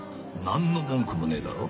なんの文句もねえだろ？